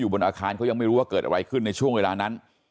บนอาคารเขายังไม่รู้ว่าเกิดอะไรขึ้นในช่วงเวลานั้น